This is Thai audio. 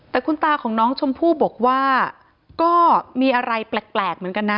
แต่คุณตาของน้องชมพู่บอกว่าก็มีอะไรแปลกเหมือนกันนะ